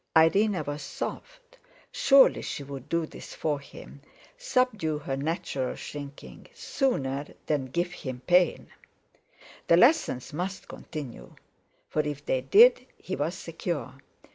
Irene was soft, surely she would do this for him, subdue her natural shrinking, sooner than give him pain! The lessons must continue; for if they did, he was secure.